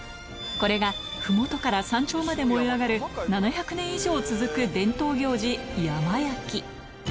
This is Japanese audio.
これがふもとから山頂まで燃え上がる７００年以上続く伝統行事、山焼き。